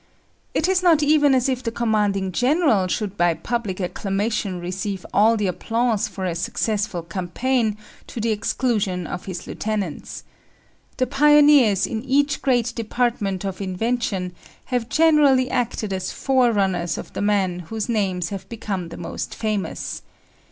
It is not even as if the commanding general should by public acclamation receive all the applause for a successful campaign to the exclusion of his lieutenants. The pioneers in each great department of invention have generally acted as forerunners of the men whose names have become the most famous.